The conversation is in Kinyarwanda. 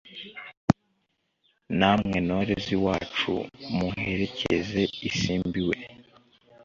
namwe ntore z’iwacu muherekeze isimbi we